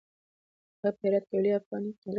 هغوی په هرات کې يو لوی افغاني قدرت جوړ کړ.